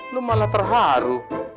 lo malah terharu